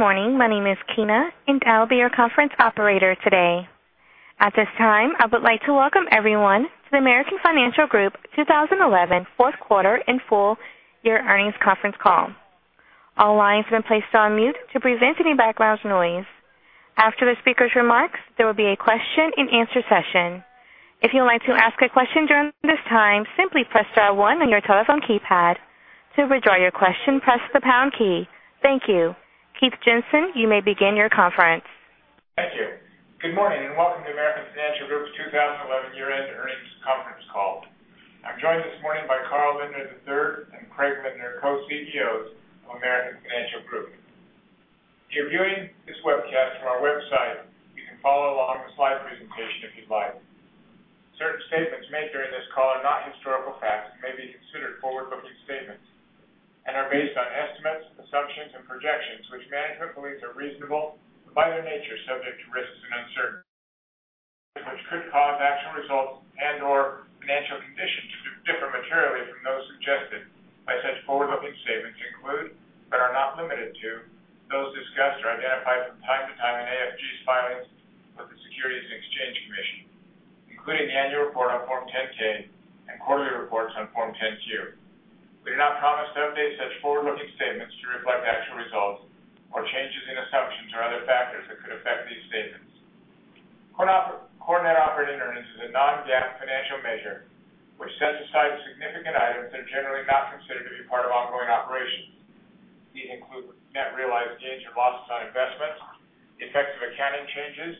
Good morning. My name is Kina, and I'll be your conference operator today. At this time, I would like to welcome everyone to the American Financial Group 2011 fourth quarter and full year earnings conference call. All lines have been placed on mute to prevent any background noise. After the speaker's remarks, there will be a question and answer session. If you would like to ask a question during this time, simply press star one on your telephone keypad. To withdraw your question, press the pound key. Thank you. Keith Jensen, you may begin your conference. Thank you. Good morning. Welcome to American Financial Group's 2011 year-end earnings conference call. I'm joined this morning by Carl Lindner III and Craig Lindner, co-CEOs of American Financial Group. If you're viewing this webcast from our website, you can follow along on the slide presentation if you'd like. Certain statements made during this call are not historical facts and may be considered forward-looking statements and are based on estimates, assumptions, and projections which management believes are reasonable. By their nature, are subject to risks and uncertainties which could cause actual results and/or financial conditions to differ materially from those suggested by such forward-looking statements include but are not limited to those discussed or identified from time to time in AFG's filings with the Securities and Exchange Commission, including the annual report on Form 10-K and quarterly reports on Form 10-Q. We do not promise to update such forward-looking statements to reflect actual results or changes in assumptions or other factors that could affect these statements. Core net operating earnings is a non-GAAP financial measure which sets aside significant items that are generally not considered to be part of ongoing operations. These include net realized gains or losses on investments, the effects of accounting changes,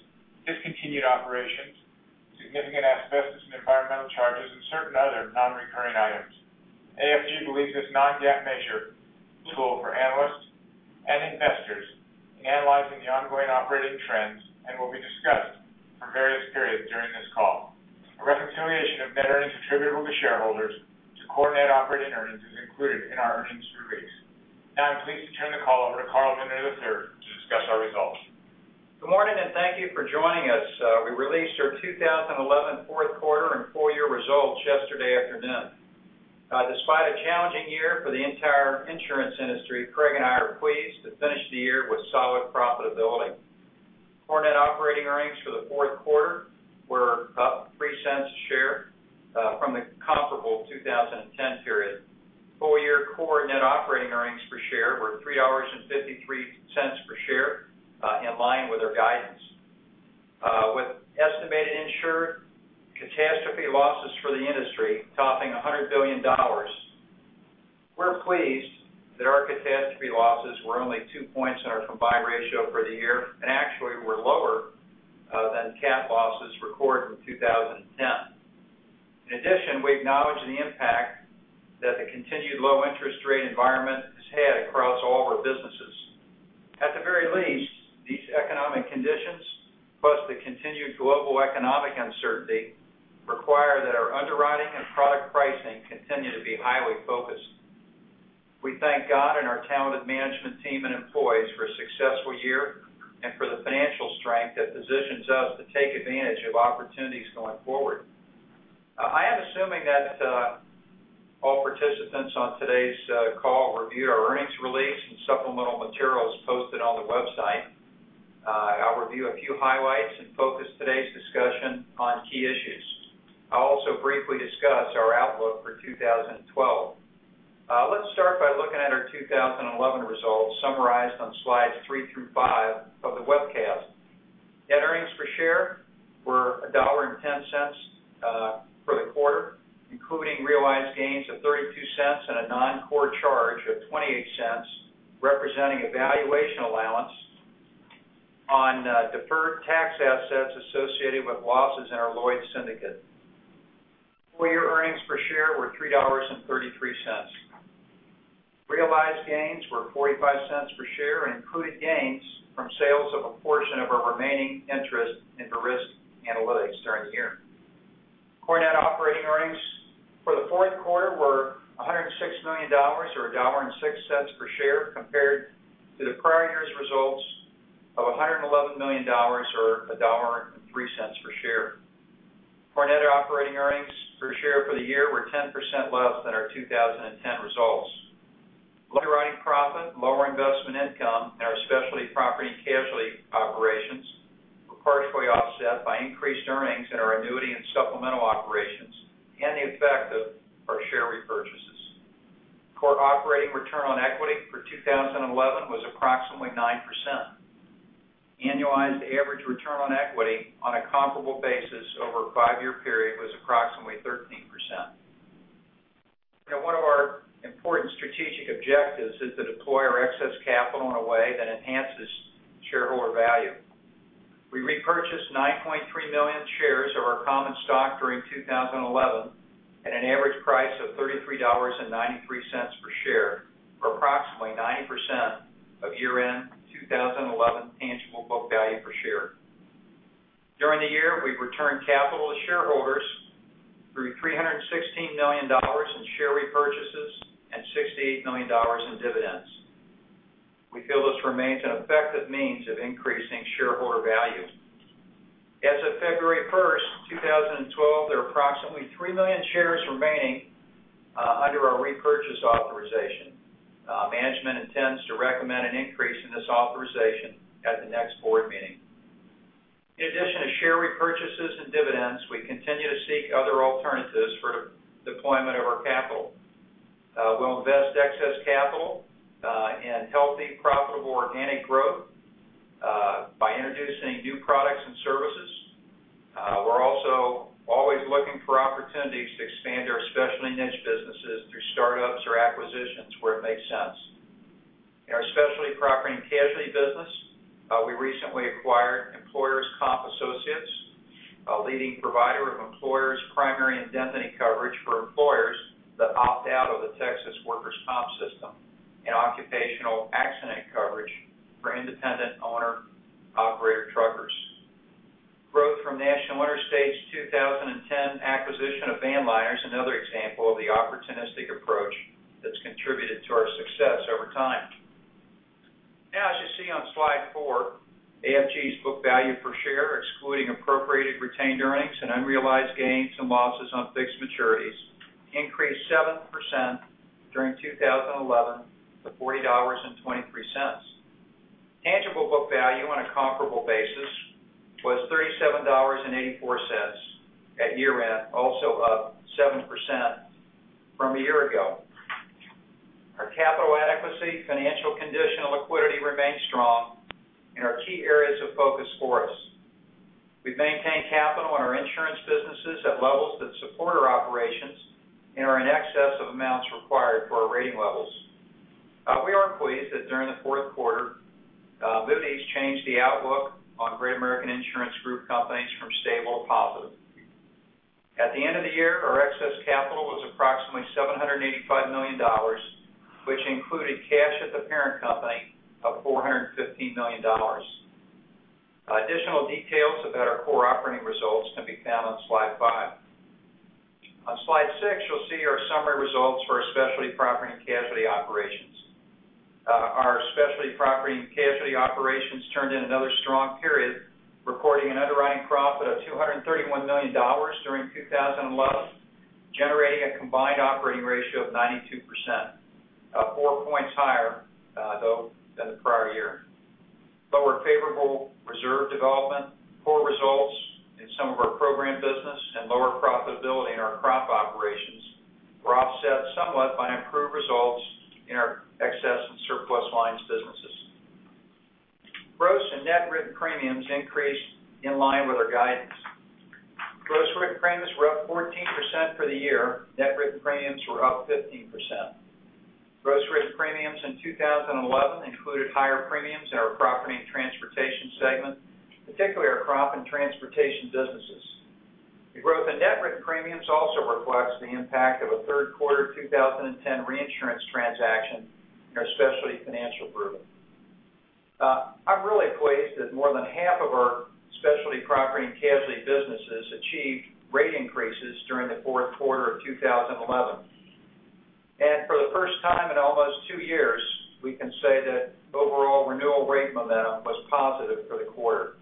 discontinued operations, significant asbestos and environmental charges, and certain other non-recurring items. AFG believes this non-GAAP measure tool for analysts and investors in analyzing the ongoing operating trends and will be discussed for various periods during this call. A reconciliation of net earnings attributable to shareholders to core net operating earnings is included in our earnings release. Now I'm pleased to turn the call over to Carl Lindner III to discuss our results. Good morning. Thank you for joining us. We released our 2011 fourth quarter and full year results yesterday afternoon. Despite a challenging year for the entire insurance industry, Craig and I are pleased to finish the year with solid profitability. Core net operating earnings for the fourth quarter were up $0.03 per share from the comparable 2010 period. Full-year core net operating earnings per share were $3.53 per share, in line with our guidance. With estimated insured catastrophe losses for the industry topping $100 billion, we're pleased that our catastrophe losses were only two points in our combined ratio for the year and actually were lower than cat losses recorded in 2010. In addition, we acknowledge the impact that the continued low interest rate environment has had across all of our businesses. At the very least, these economic conditions, plus the continued global economic uncertainty, require that our underwriting and product pricing continue to be highly focused. We thank God and our talented management team and employees for a successful year and for the financial strength that positions us to take advantage of opportunities going forward. I am assuming that all participants on today's call reviewed our earnings release and supplemental materials posted on the website. I'll review a few highlights and focus today's discussion on key issues. I'll also briefly discuss our outlook for 2012. Let's start by looking at our 2011 results summarized on slides three through five of the webcast. Net earnings per share were $1.10 for the quarter, including realized gains of $0.32 and a non-core charge of $0.28, representing a valuation allowance on deferred tax assets associated with losses in our Lloyd's Syndicate. Full-year earnings per share were $3.33. Realized gains were $0.45 per share and included gains from sales of a portion of our remaining interest in Verisk Analytics during the year. Core net operating earnings for the fourth quarter were $106 million, or $1.06 per share, compared to the prior year's results of $111 million, or $1.03 per share. Core net operating earnings per share for the year were 10% less than our 2010 results. Underwriting profit, lower investment income in our Specialty Property and Casualty operations were partially offset by increased earnings in our Annuity and Supplemental operations and the effect of our share repurchases. Core operating return on equity for 2011 was approximately 9%. Annualized average return on equity on a comparable basis over a five-year period was approximately 13%. One of our important strategic objectives is to deploy our excess capital in a way that enhances shareholder value. We repurchased 9.3 million shares of our common stock during 2011 at an average price of $33.93 per share, or approximately 90% of year-end 2011 tangible book value per share. During the year, we've returned capital to shareholders through $316 million in share repurchases and $68 million in dividends. We feel this remains an effective means of increasing shareholder value. As of February 1st, 2012, there are approximately three million shares remaining under our repurchase authorization, management intends to recommend an increase in this authorization at the next board meeting. In addition to share repurchases and dividends, we continue to seek other alternatives for deployment of our capital. We'll invest excess capital in healthy, profitable organic growth by introducing new products and services. We're also always looking for opportunities to expand our specialty niche businesses through startups or acquisitions where it makes sense. In our Specialty Property and Casualty business, we recently acquired Employers Comp Associates, a leading provider of employers' primary indemnity coverage for employers that opt-out of the Texas workers' comp system and occupational accident coverage for independent owner-operator truckers. Growth from National Interstate's 2010 acquisition of Vanliner is another example of the opportunistic approach that's contributed to our success over time. As you see on slide four, AFG's book value per share, excluding appropriated retained earnings and unrealized gains and losses on fixed maturities, increased 7% during 2011 to $40.23. Tangible book value on a comparable basis was $37.84 at year-end, also up 7% from a year ago. Our capital adequacy, financial condition, and liquidity remain strong in our key areas of focus for us. We've maintained capital in our insurance businesses at levels that support our operations and are in excess of amounts required for our rating levels. We are pleased that during the fourth quarter, Moody's changed the outlook on Great American Insurance Group companies from stable to positive. At the end of the year, our excess capital was approximately $785 million, which included cash at the parent company of $415 million. Additional details about our core operating results can be found on slide five. On slide six, you'll see our summary results for our Specialty Property and Casualty operations. Our Specialty Property and Casualty operations turned in another strong period, recording an underwriting profit of $231 million during 2011, generating a combined operating ratio of 92%, four points higher, though, than the prior year. Lower favorable reserve development, poor results in some of our program business, and lower profitability in our crop operations were offset somewhat by improved results in our excess and surplus lines businesses. Gross and net written premiums increased in line with our guidance. Gross written premiums were up 14% for the year. Net written premiums were up 15%. Gross written premiums in 2011 included higher premiums in our Property and Transportation segment, particularly our crop and transportation businesses. The growth in net written premiums also reflects the impact of a third quarter 2010 reinsurance transaction in our Specialty Financial group. I'm really pleased that more than half of our Specialty Property and Casualty businesses achieved rate increases during the fourth quarter of 2011. For the first time in almost two years, we can say that overall renewal rate momentum was positive for the quarter.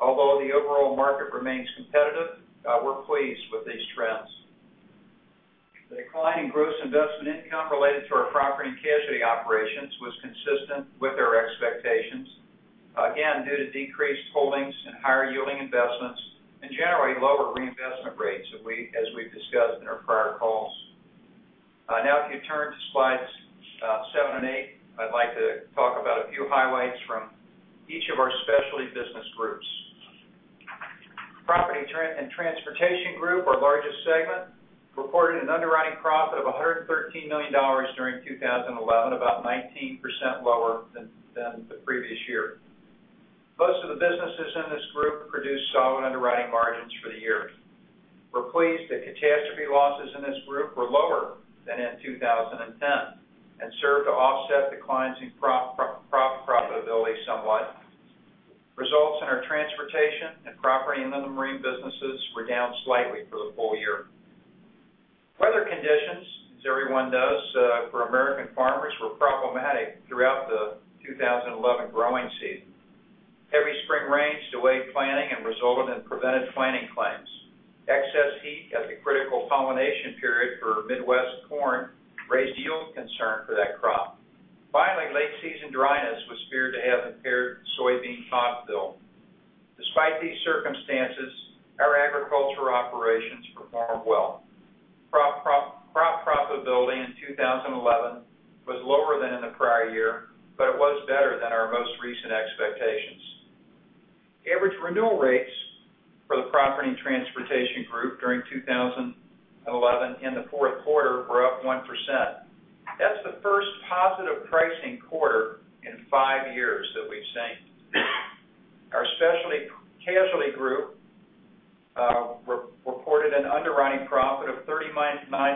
Although the overall market remains competitive, we're pleased with these trends. The decline in gross investment income related to our property and casualty operations was consistent with our expectations, again, due to decreased holdings in higher-yielding investments and generally lower reinvestment rates as we've discussed in our prior calls. If you turn to slides seven and eight, I'd like to talk about a few highlights from each of our specialty business groups. Property and Transportation group, our largest segment, reported an underwriting profit of $113 million during 2011, about 19% lower than the previous year. Most of the businesses in this group produced solid underwriting margins for the year. We're pleased that catastrophe losses in this group were lower than in 2010 and served to offset declines in crop profitability somewhat. Results in our transportation and property and inland marine businesses were down slightly for the full year. Weather conditions, as everyone knows, for American farmers were problematic throughout the 2011 growing season. Heavy spring rains delayed planting and resulted in prevented planting claims. Excess heat at the critical pollination period for Midwest corn raised yield concern for that crop. Late-season dryness was feared to have impaired soybean pod fill. Despite these circumstances, our agriculture operations performed well. Crop profitability in 2011 was lower than in the prior year, but it was better than our most recent expectations. Average renewal rates for the Property and Transportation group during 2011 in the fourth quarter were up 1%. That's the first positive pricing quarter in five years that we've seen. Our Specialty Casualty group reported an underwriting profit of $39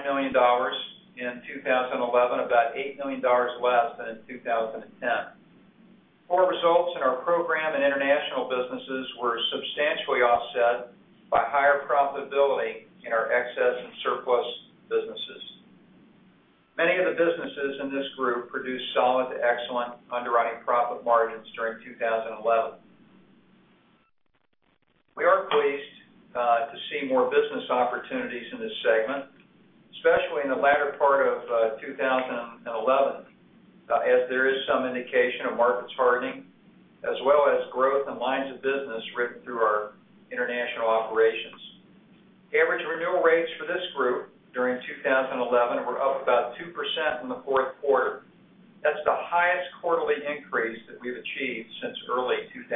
million in 2011, about $8 million less than in 2010. Poor results in our program and international businesses were substantially offset by higher profitability in our excess and surplus businesses. Many of the businesses in this group produced solid to excellent underwriting profit margins during 2011. We're pleased to see more business opportunities in this segment, especially in the latter part of 2011, as there is some indication of markets hardening as well as growth in lines of business written through our international operations. Average renewal rates for this group during 2011 were up about 2% in the fourth quarter. That's the highest quarterly increase that we've achieved since early 2006.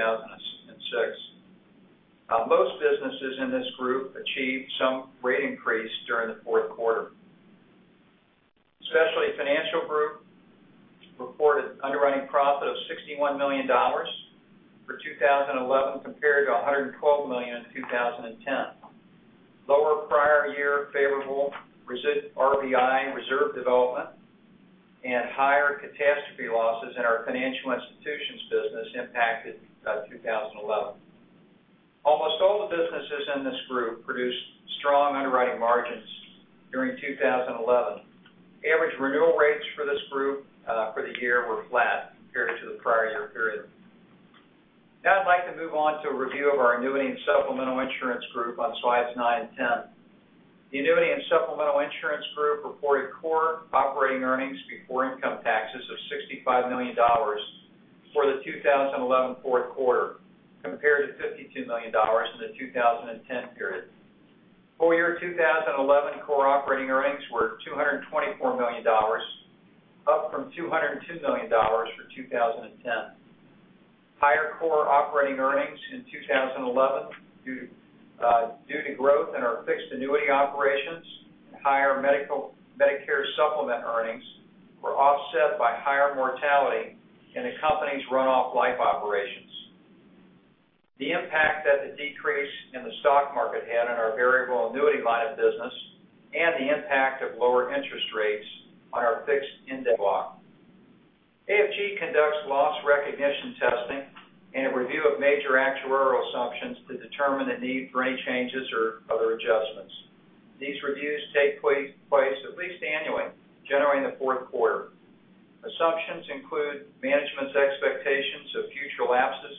Most businesses in this group achieved some rate increase during the fourth quarter. Specialty Financial reported underwriting profit of $61 million for 2011 compared to $112 million in 2010. Lower prior year favorable RVI reserve development and higher catastrophe losses in our financial institutions business impacted 2011. Almost all the businesses in this group produced strong underwriting margins during 2011. Average renewal rates for this group for the year were flat compared to the prior year period. I'd like to move on to a review of our Annuity and Supplemental Insurance on slides nine and 10. The Annuity and Supplemental Insurance reported core operating earnings before income taxes of $65 million for the 2011 fourth quarter, compared to $52 million in the 2010 period. Full year 2011 core operating earnings were $224 million, up from $202 million for 2010. Higher core operating earnings in 2011 due to growth in our fixed annuity operations and higher Medicare supplement earnings were offset by higher mortality in the company's runoff life operations. The impact that the decrease in the stock market had on our variable annuity line of business and the impact of lower interest rates on our fixed index block. AFG conducts loss recognition testing and a review of major actuarial assumptions to determine the need for any changes or other adjustments. These reviews take place at least annually, generally in the fourth quarter. Assumptions include management's expectations of future lapses,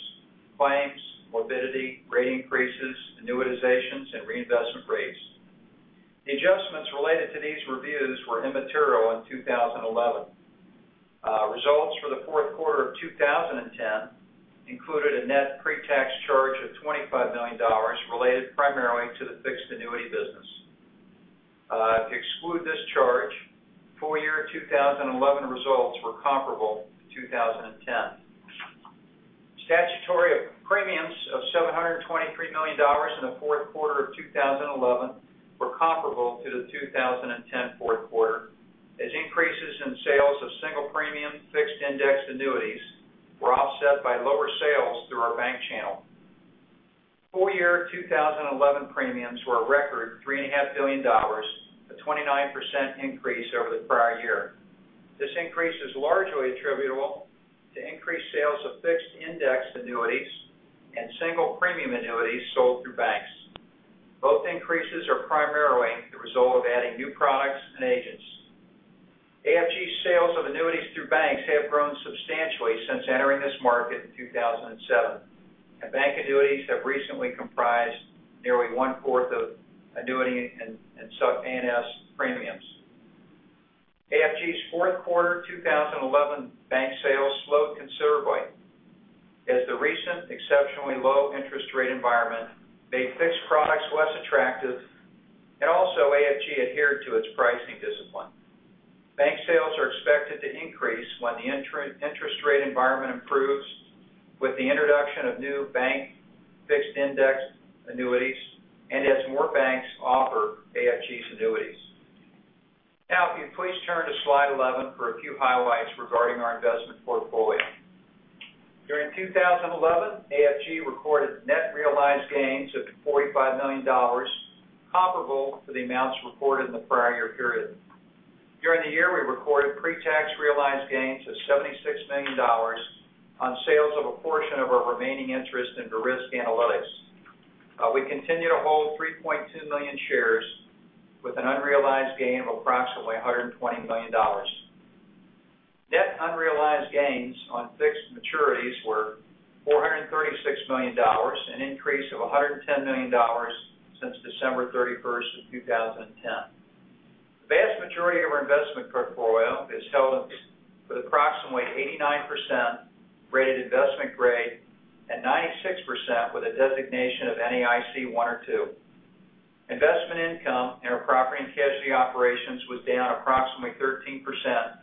claims, morbidity, rate increases, annuitizations, and reinvestment rates. The adjustments related to these reviews were immaterial in 2011. Results for the fourth quarter of 2010 included a net pre-tax charge of $25 million related primarily to the fixed annuity business. To exclude this charge, full year 2011 results were comparable to 2010. Statutory premiums of $723 million in the fourth quarter of 2011 were comparable to the 2010 fourth quarter, as increases in sales of single premium fixed indexed annuities were offset by lower sales through our bank channel. Full year 2011 premiums were a record $3.5 billion, a 29% increase over the prior year. This increase is largely attributable to increased sales of fixed indexed annuities and single premium annuities sold through banks. Both increases are primarily the result of adding new products and agents. AFG's sales of annuities through banks have grown substantially since entering this market in 2007, and bank annuities have recently comprised nearly one-fourth of annuity and A&S premiums. AFG's fourth quarter 2011 bank sales slowed considerably as the recent exceptionally low interest rate environment made fixed products less attractive, and also AFG adhered to its pricing discipline. Bank sales are expected to increase when the interest rate environment improves with the introduction of new bank fixed indexed annuities, and as more banks offer AFG's annuities. If you please turn to slide 11 for a few highlights regarding our investment portfolio. During 2011, AFG recorded net realized gains of $45 million comparable to the amounts reported in the prior year period. During the year, we recorded pretax realized gains of $76 million on sales of a portion of our remaining interest in Verisk Analytics. We continue to hold 3.2 million shares with an unrealized gain of approximately $120 million. Net unrealized gains on fixed maturities were $436 million, an increase of $110 million since December 31st of 2010. The vast majority of our investment portfolio is held with approximately 89% rated investment grade and 96% with a designation of NAIC 1 or 2. Investment income in our Property and Casualty operations was down approximately 13%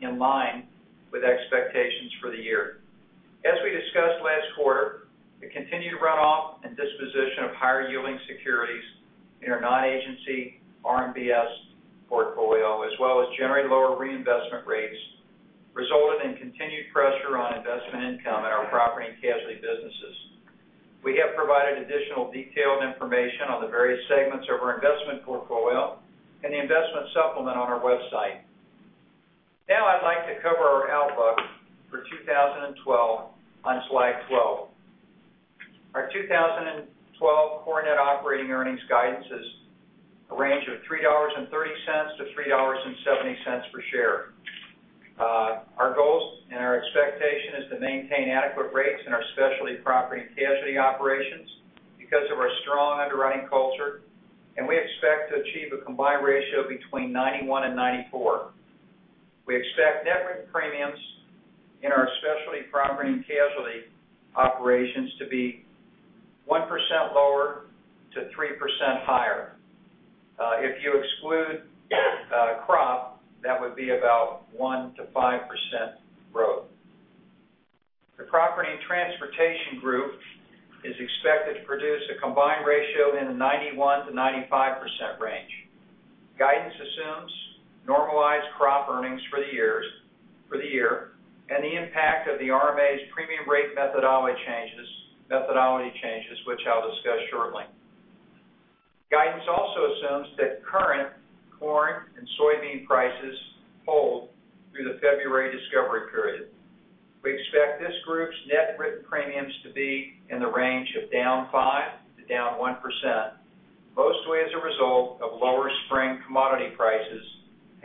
in line with expectations for the year. As we discussed last quarter, the continued runoff and disposition of higher yielding securities in our non-agency RMBS portfolio as well as generally lower reinvestment rates resulted in continued pressure on investment income at our Property and Casualty businesses. We have provided additional detailed information on the various segments of our investment portfolio in the investment supplement on our website. I'd like to cover our outlook for 2012 on slide 12. Our 2012 core net operating earnings guidance is a range of $3.30 to $3.70 per share. Our goals and our expectation is to maintain adequate rates in our Specialty Property and Casualty operations because of our strong underwriting culture, and we expect to achieve a combined ratio between 91% and 94%. We expect net written premiums in our Specialty Property and Casualty operations to be 1% lower to 3% higher. If you exclude crop, that would be about 1% to 5% growth. The Property and Transportation group is expected to produce a combined ratio in the 91%-95% range. Guidance assumes normalized crop earnings for the year, and the impact of the RMA's premium rate methodology changes, which I'll discuss shortly. Guidance also assumes that current corn and soybean prices hold through the February discovery period. We expect this group's net written premiums to be in the range of down 5% to down 1%, mostly as a result of lower spring commodity prices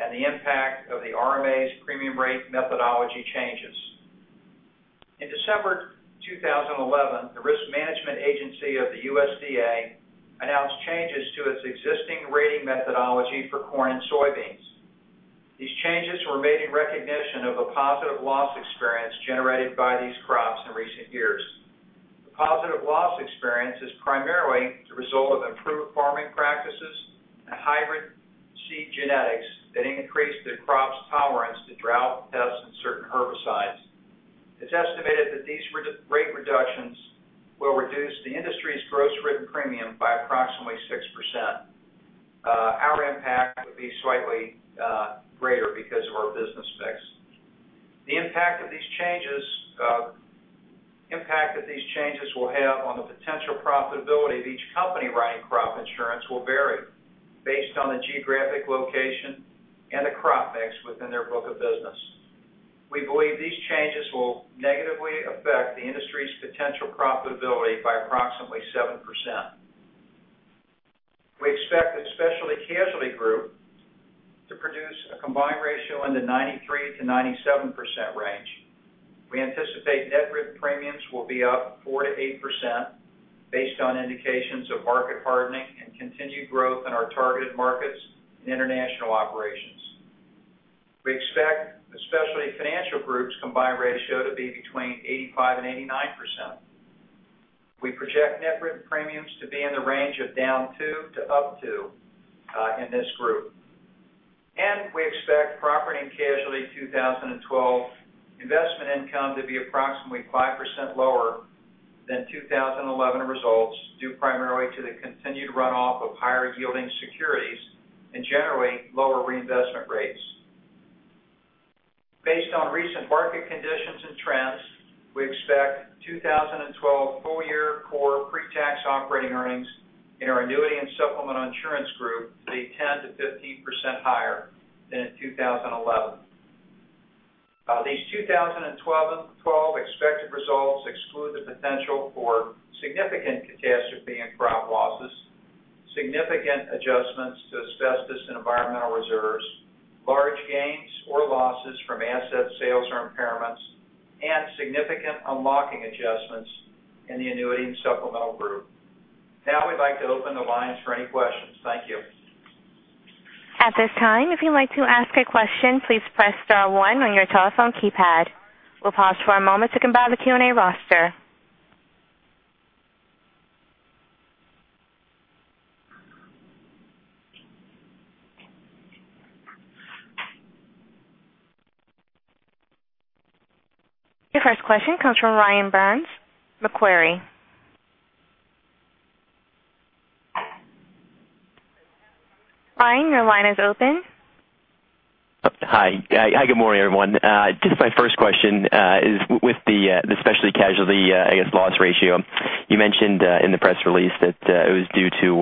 and the impact of the RMA's premium rate methodology changes. In December 2011, the Risk Management Agency of the USDA announced changes to its existing rating methodology for corn and soybeans. These changes were made in recognition of a positive loss experience generated by these crops in recent years. The positive loss experience is primarily the result of improved farming practices and hybrid seed genetics that increase the crop's tolerance to drought, pests, and certain herbicides. It's estimated that these rate reductions will reduce the industry's gross written premium by approximately 6%. Our impact would be slightly greater because of our business mix. The impact that these changes will have on the potential profitability of each company writing crop insurance will vary based on the geographic location and the crop mix within their book of business. We believe these changes will negatively affect the industry's potential profitability by approximately 7%. We expect the Specialty Casualty group to produce a combined ratio in the 93%-97% range. We anticipate net written premiums will be up 4% to 8%, based on indications of market hardening and continued growth in our targeted markets and international operations. We expect the Specialty Financial group's combined ratio to be between 85% and 89%. We project net written premiums to be in the range of down two to up two in this group. We expect Property and Casualty 2012 investment income to be approximately 5% lower than 2011 results, due primarily to the continued runoff of higher-yielding securities and generally lower reinvestment rates. Based on recent market conditions and trends, we expect 2012 full-year core pre-tax operating earnings in our Annuity and Supplemental Insurance group to be 10% to 15% higher than in 2011. These 2012 expected results exclude the potential for significant catastrophe and crop losses, significant adjustments to asbestos and environmental reserves, large gains or losses from asset sales or impairments, and significant unlocking adjustments in the Annuity and Supplemental group. We'd like to open the lines for any questions. Thank you. At this time, if you'd like to ask a question, please press star one on your telephone keypad. We'll pause for a moment to compile the Q&A roster. Your first question comes from Ryan Burns, Macquarie. Ryan, your line is open. Hi, good morning, everyone. Just my first question is with the Specialty Casualty loss ratio. You mentioned in the press release that it was due to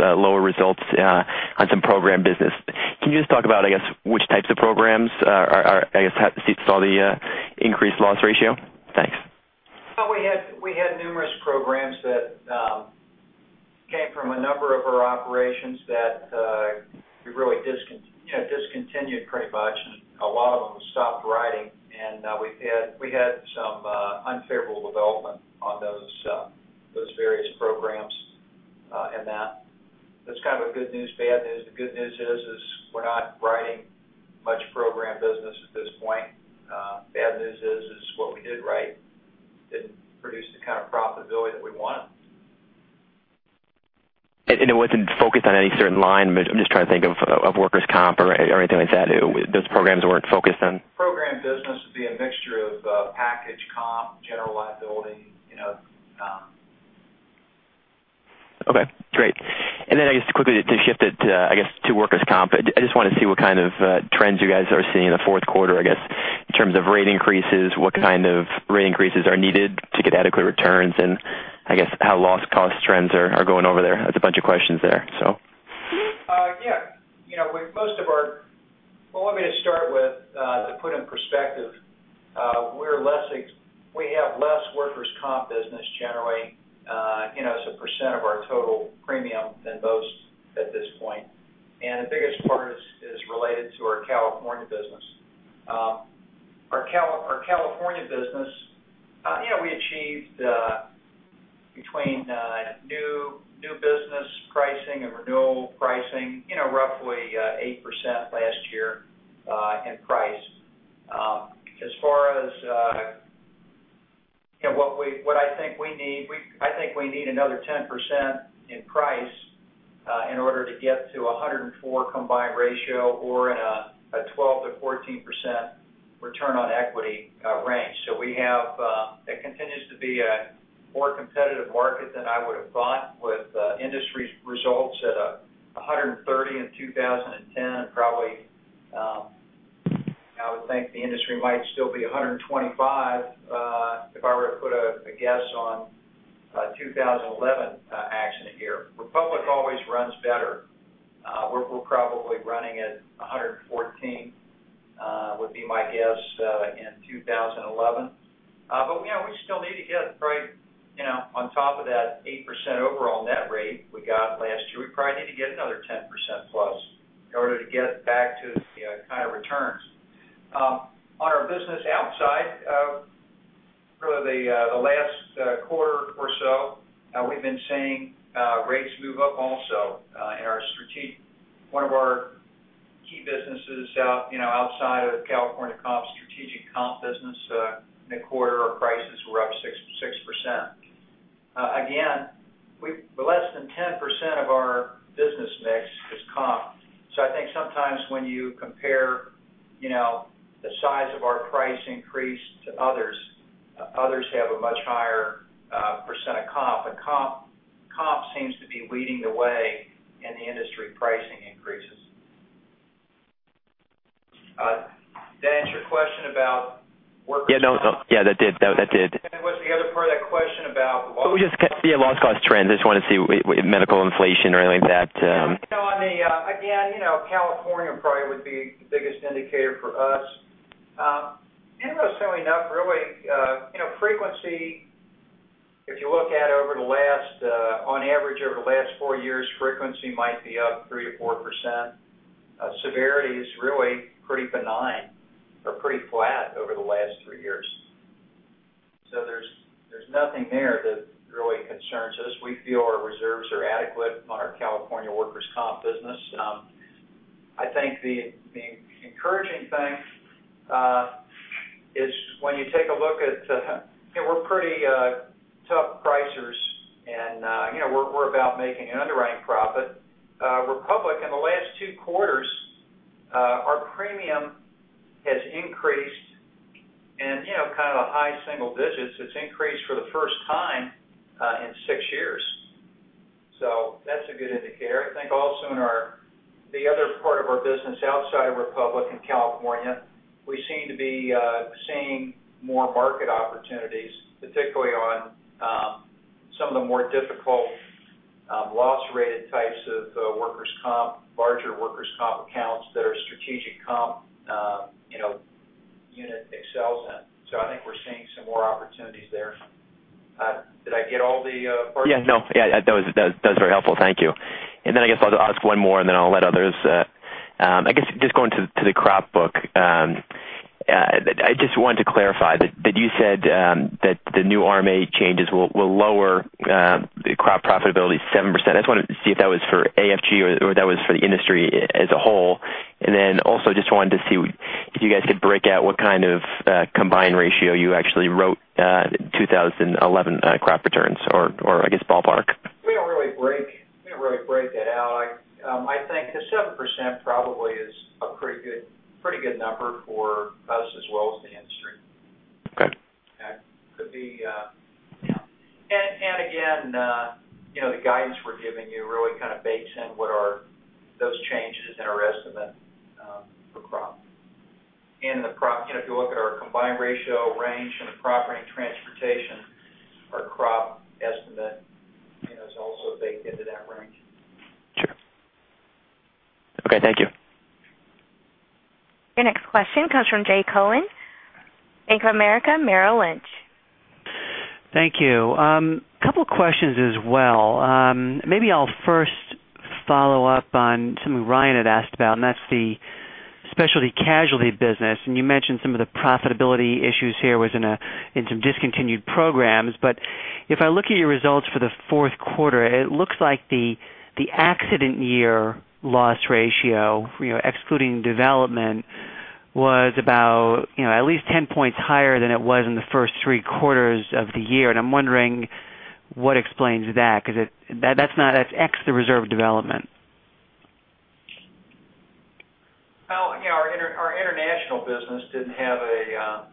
lower results on some program business. Can you just talk about which types of programs saw the increased loss ratio? Thanks. We had numerous programs that came from a number of our operations that we really discontinued pretty much, and a lot of them stopped writing. We had some unfavorable development on those various programs in that. That's kind of a good news, bad news. The good news is we're not writing much program business at this point. Bad news is what we did write didn't produce the kind of profitability that we want. It wasn't focused on any certain line? I'm just trying to think of workers' comp or anything like that. Those programs weren't focused on- Program business would be a mixture of package comp, general liability. Okay, great. Then I guess quickly to shift it to workers' comp, I just want to see what kind of trends you guys are seeing in the fourth quarter in terms of rate increases. What kind of rate increases are needed to get adequate returns and how loss cost trends are going over there? That's a bunch of questions there. Well, let me just start with the put in perspective. We have less workers' comp business generally as a % of our total premium than most at this point. The biggest part is related to our California business. Our California business, we achieved between new business pricing and renewal pricing, roughly 8% last year in price. As far as what I think we need, I think we need another 10% in price in order to get to 104 combined ratio or in a 12%-14% return on equity range. It continues to be a more competitive market than I would've thought with industry results at 130 in 2010, probably, I would think the industry might still be 125, if I were to put a guess on 2011 accident year. Republic always runs better. We're probably running at 114 would be my guess, in 2011. We still need to get probably on top of that 8% overall net rate we got last year. We probably need to get another 10% plus in order to get back to the kind of returns. On our business outside for the last quarter or so, we've been seeing rates move up also. One of our key businesses outside of California comp, Strategic Comp business in the quarter, our prices were up 6%. Again, less than 10% of our business mix is comp. I think sometimes when you compare the size of our price increase to others have a much higher % of comp, but comp seems to be leading the way in the industry pricing increases. Did that answer your question about workers' comp? Yeah, that did. What's the other part of that question about loss? Loss cost trends. Wanted to see medical inflation or anything like that. California probably would be the biggest indicator for us. Interestingly enough, really, frequency, if you look at on average over the last 4 years, frequency might be up 3%-4%. Severity is really pretty benign or pretty flat over the last 3 years. There's nothing there that really concerns us. We feel our reserves are adequate on our California workers' comp business. I think the encouraging thing is when you take a look at we're pretty tough pricers and we're about making an underwriting profit. Republic in the last 2 quarters, our premium has increased in kind of the high single digits. It's increased for the first time in 6 years, that's a good indicator. In the other part of our business outside of Republic in California, we seem to be seeing more market opportunities, particularly on some of the more difficult loss rated types of workers' comp, larger workers' comp accounts that our Strategic Comp unit excels in. I think we're seeing some more opportunities there. Did I get all the parts? Yeah. That was very helpful. Thank you. I guess I'll ask one more, and then I'll let others. I guess just going to the crop book, I just wanted to clarify that you said that the new RMA changes will lower crop profitability 7%. I just wanted to see if that was for AFG or that was for the industry as a whole. Also just wanted to see if you guys could break out what kind of combined ratio you actually wrote 2011 crop returns or, I guess, ballpark. We don't really break it out. I think the 7% probably is a pretty good number for us as well as the industry. Okay. Again, the guidance we're giving you really kind of bakes in what are those changes in our estimate for crop. If you look at our combined ratio range in the Property and Transportation, our crop estimate is also baked into that range. Sure. Okay. Thank you. Your next question comes from Jay Cohen, Bank of America Merrill Lynch. Thank you. Couple questions as well. Maybe I'll first follow up on something Ryan had asked about, and that's the Specialty Casualty business. You mentioned some of the profitability issues here was in some discontinued programs. If I look at your results for the fourth quarter, it looks like the accident year loss ratio, excluding development, was about at least 10 points higher than it was in the first three quarters of the year, and I'm wondering what explains that because that's ex the reserve development. Our international business didn't have a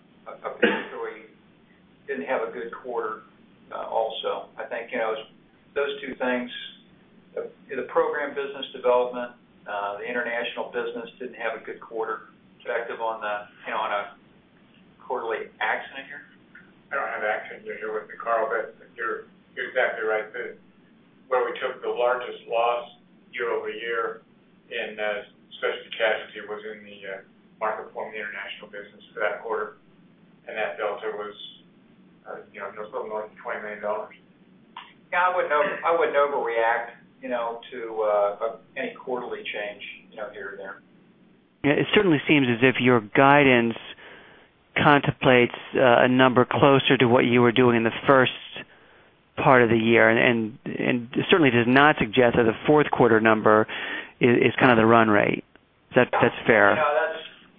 good quarter also. I think those two things, the program business development, the international business didn't have a good quarter. Active on a quarterly accident year? I don't have accident year here with me, Carl, you're exactly right. The largest loss year-over-year in Specialty Casualty was in the Marketform of the international business for that quarter. That delta was just a little more than $20 million. Yeah, I wouldn't overreact to any quarterly change here or there. Yeah, it certainly seems as if your guidance contemplates a number closer to what you were doing in the first part of the year, certainly does not suggest that the fourth quarter number is kind of the run rate. That's fair?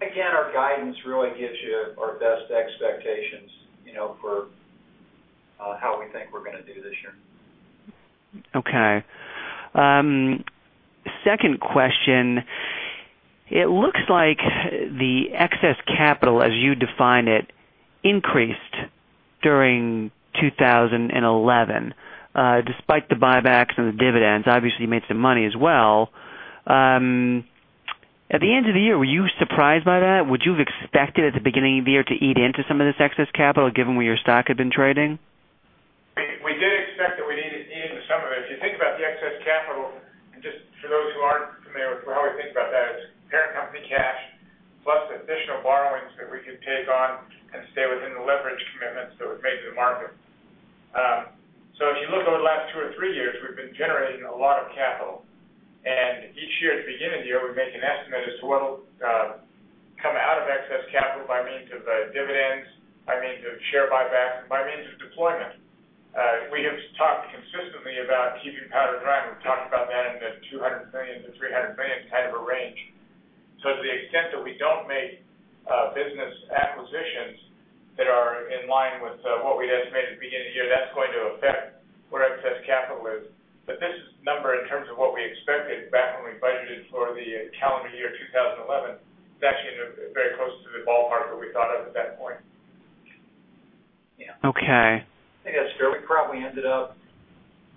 Again, our guidance really gives you our best expectations for how we think we're going to do this year. Okay. Second question, it looks like the excess capital, as you define it, increased during 2011 despite the buybacks and the dividends. Obviously, you made some money as well. At the end of the year, were you surprised by that? Would you have expected at the beginning of the year to eat into some of this excess capital, given where your stock had been trading? We did expect that we'd eat into some of it. If you think about the excess capital, just for those who aren't familiar with how we think about that, is parent company cash, plus additional borrowings that we could take on and stay within the leverage commitments that we've made to the market. If you look over the last two or three years, we've been generating a lot of capital, each year at the beginning of the year, we make an estimate as to what'll come out of excess capital by means of dividends, by means of share buybacks, by means of deployment. We have talked consistently about keeping powder dry, we've talked about that in the $200 million-$300 million kind of a range. To the extent that we don't make business acquisitions that are in line with what we'd estimated at the beginning of the year, that's going to affect where excess capital is. This number, in terms of what we expected back when we budgeted for the calendar year 2011, is actually very close to the ballpark that we thought of at that point. Yeah. Okay. I think that's fair. We probably ended up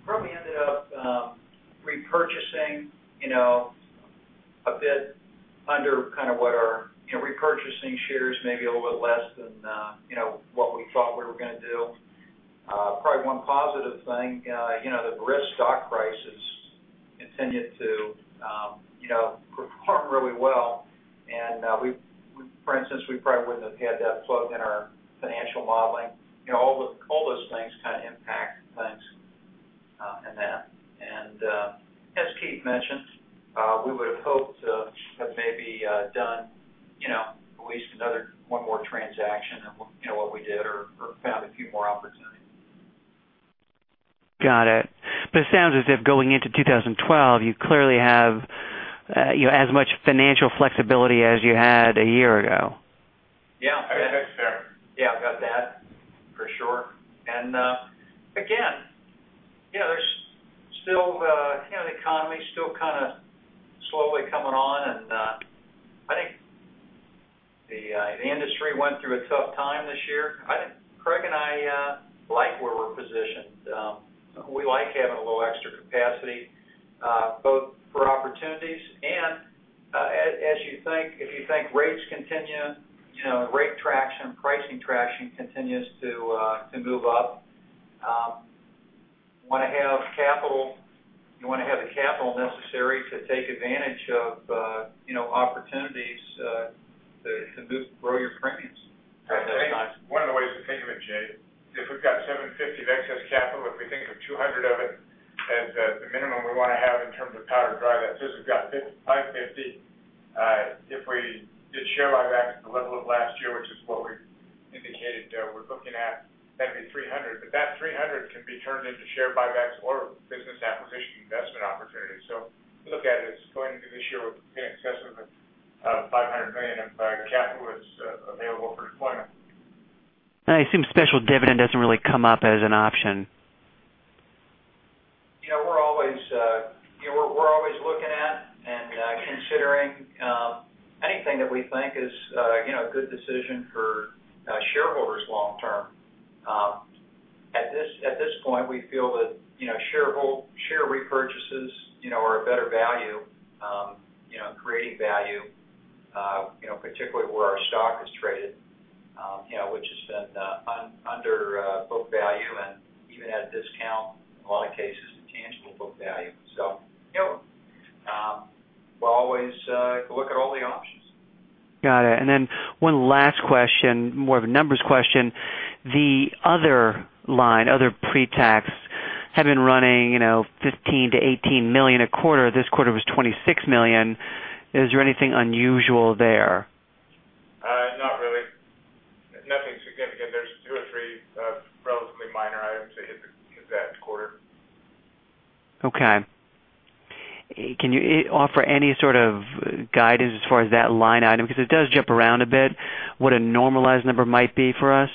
repurchasing shares maybe a little bit less than what we thought we were going to do. Probably one positive thing, the risk stock prices continued to perform really well, and for instance, we probably wouldn't have had that float in our financial modeling. All those things kind of impact things in that. As Keith mentioned, we would've hoped to have maybe done at least another one more transaction than what we did or found a few more opportunities. Got it. It sounds as if going into 2012, you clearly have as much financial flexibility as you had a year ago. Yeah. I think that's fair. Yeah, got that for sure. Again, the economy's still kind of slowly coming on, and I think the industry went through a tough time this year. Craig and I like where we're positioned. We like having a little extra capacity both for opportunities and if you think rates continue, rate traction, pricing traction continues to move up. You want to have the capital necessary to take advantage of opportunities to grow your premiums. One of the ways to think of it, Jay, if we've got $750 of excess capital, if we think of $200 of it as the minimum we want to have in terms of powder dry, that says we've got $550. If we did share buybacks at the level of last year, which is what we indicated we're looking at, that'd be $300. That $300 can be turned into share buybacks or business acquisition investment opportunities. If you look at it as going into this year, we're being excessive of $500 million of capital that's available for deployment. It seems special dividend doesn't really come up as an option. We're always looking at and considering anything that we think is a good decision for shareholders long term. At this point, we feel that share repurchases are a better value in creating value, particularly where our stock is traded, which has been under book value and even at a discount in a lot of cases to tangible book value. We'll always look at all the options. Got it. One last question, more of a numbers question. The other line, other pre-tax, had been running $15 million-$18 million a quarter. This quarter was $26 million. Is there anything unusual there? Not really. Nothing significant. There's two or three relatively minor items that hit the exact quarter. Okay. Can you offer any sort of guidance as far as that line item? Because it does jump around a bit. What a normalized number might be for us?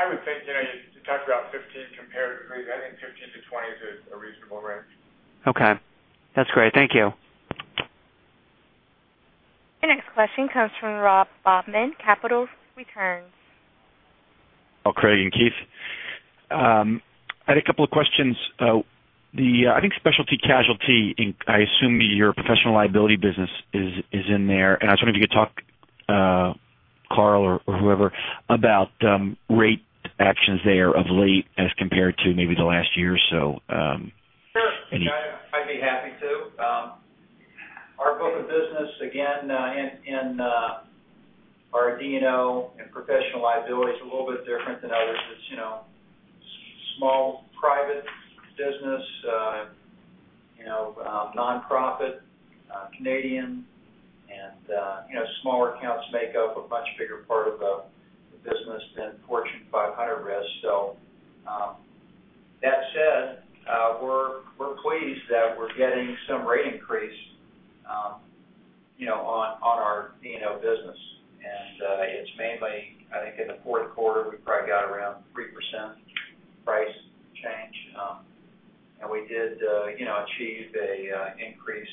I would think, you talked about 15 compared to three. I think 15-20 is a reasonable range. Okay. That's great. Thank you. Your next question comes from Rob Bachman, Capital Returns. Hello Craig and Keith. I had a couple of questions. I think Specialty Casualty, I assume your professional liability business is in there, and I was wondering if you could talk Carl or whoever about rate actions there of late as compared to maybe the last year or so. Sure. I'd be happy to. Our book of business, again, in our D&O and professional liability is a little bit different than others. It's small private business, nonprofit, Canadian, and smaller accounts make up a much bigger part of the business than Fortune 500 risk. That said, we're pleased that we're getting some rate increase on our D&O business. It's mainly, I think in the fourth quarter, we probably got around 3% price change. We did achieve an increase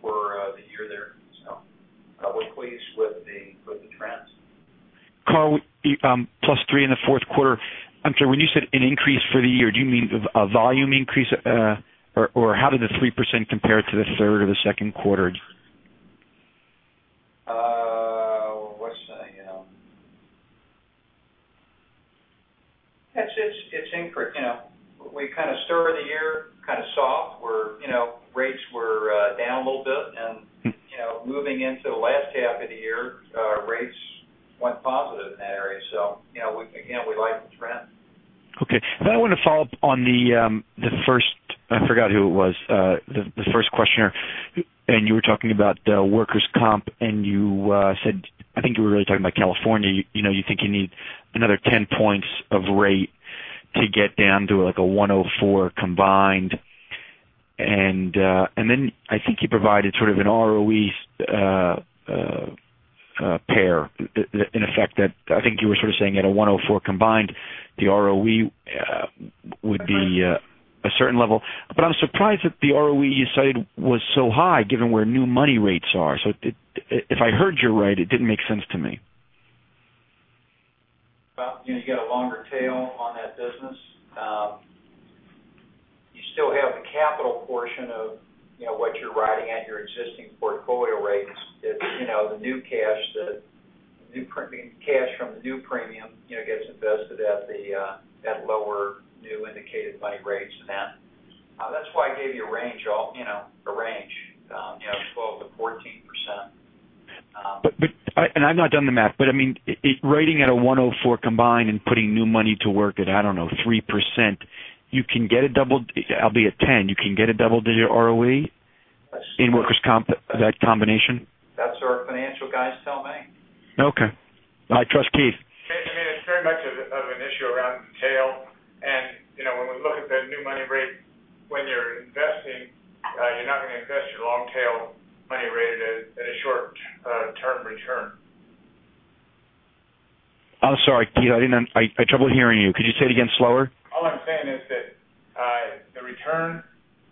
for the year there. We're pleased with the trends. Carl, plus 3% in the fourth quarter. I'm sorry, when you said an increase for the year, do you mean a volume increase? How did the 3% compare to the third or the second quarter? Let's say, it's increased. We kind of started the year kind of soft where rates were down a little bit, and moving into the last half of the year, our rates went positive in that area. Again, we like the trend. Okay. I want to follow up on the first, I forgot who it was, the first questioner, and you were talking about workers' comp, and you said, I think you were really talking about California. You think you need another 10 points of rate to get down to a 104 combined. I think you provided sort of an ROE pair in effect that I think you were sort of saying at a 104 combined, the ROE would be a certain level. I'm surprised that the ROE you cited was so high given where new money rates are. If I heard you right, it didn't make sense to me. Well, you got a longer tail on that business. You still have the capital portion of what you're riding at your existing portfolio rates. The new cash from the new premium gets invested at lower new indicated money rates than that. That's why I gave you a range, 12%-14%. I've not done the math, but writing at a 104 combined and putting new money to work at, I don't know, 3%, you can get a double, albeit 10, you can get a double-digit ROE in workers' comp, that combination? That's what our financial guys tell me. Okay. I trust Keith. It's very much of an issue around the tail. When we look at the new money rate, when you're investing, you're not going to invest your long tail money rate at a short-term return. I'm sorry, Keith. I had trouble hearing you. Could you say it again slower? All I'm saying is that the return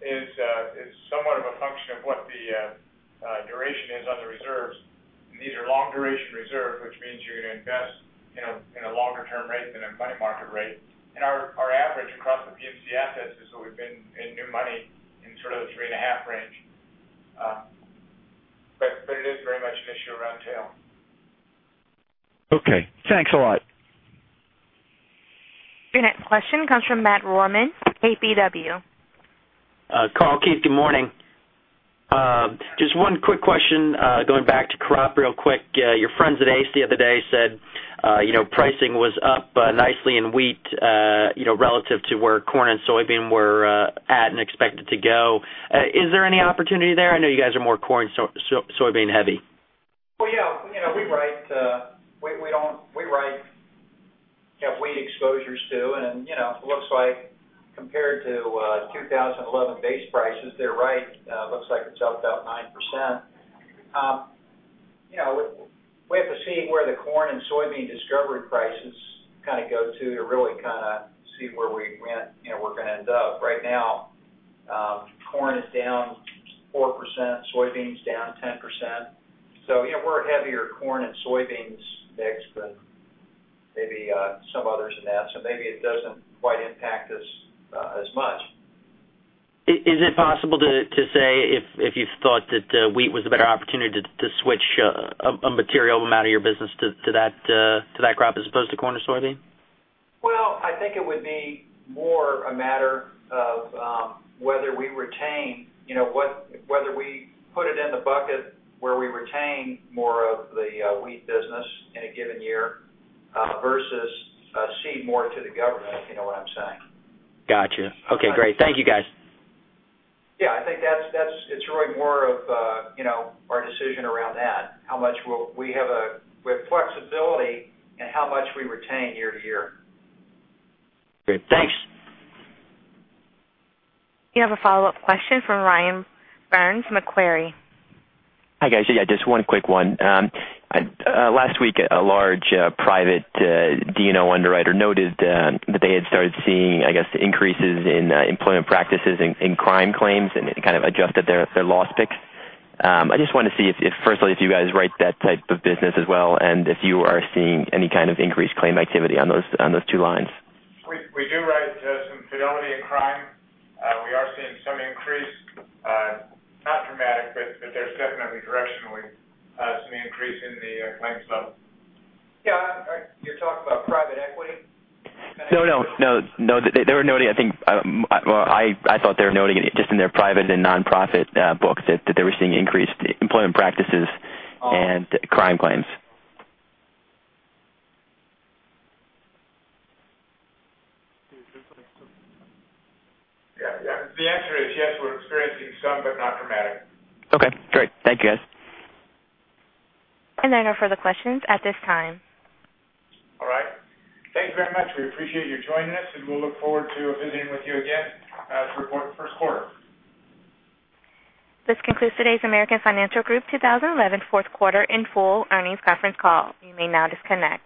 is somewhat of a function of what the duration is on the reserves. These are long-duration reserves, which means you're going to invest in a longer-term rate than a money market rate. Our average across the P&C assets is what we've been in new money in sort of the three and a half range. It is very much an issue around tail. Okay. Thanks a lot. Your next question comes from Matt Rohrmann, KBW. Carl, Keith, good morning. Just one quick question, going back to crop real quick. Your friends at ACE the other day said pricing was up nicely in wheat relative to where corn and soybean were at and expected to go. Is there any opportunity there? I know you guys are more corn, soybean heavy. Well, yeah. We write wheat exposures too, and it looks like compared to 2011 base prices, they're right. Looks like it's up about 9%. We have to see where the corn and soybean discovery prices kind of go to really see where we're going to end up. Right now, corn is down 4%, soybeans down 10%. We're a heavier corn and soybeans mix than maybe some others in that. Maybe it doesn't quite impact us as much. Is it possible to say if you thought that wheat was a better opportunity to switch a material amount of your business to that crop as opposed to corn or soybean? Well, I think it would be more a matter of whether we retain, whether we put it in the bucket where we retain more of the wheat business in a given year versus cede more to the government, if you know what I'm saying. Got you. Okay, great. Thank you, guys. Yeah, I think it's really more of our decision around that. We have flexibility in how much we retain year to year. Great. Thanks. You have a follow-up question from Ryan Burns, Macquarie. Hi, guys. Yeah, just one quick one. Last week, a large private D&O underwriter noted that they had started seeing, I guess, increases in employment practices in crime claims and kind of adjusted their loss picks. I just want to see if, firstly, if you guys write that type of business as well, and if you are seeing any kind of increased claim activity on those two lines. We do write some fidelity in crime. We are seeing some increase, not dramatic, but there's definitely directionally some increase in the claims level. You're talking about private equity? No, they were noting, I think, well, I thought they were noting it just in their private and non-profit books that they were seeing increased employment practices and crime claims. Yeah. The answer is yes, we're experiencing some, but not dramatic. Okay, great. Thank you, guys. There are no further questions at this time. All right. Thank you very much. We appreciate you joining us. We'll look forward to visiting with you again as we report the first quarter. This concludes today's American Financial Group 2011 fourth quarter, in full, earnings conference call. You may now disconnect.